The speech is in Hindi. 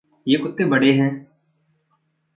ये कुत्ते बड़े हैं।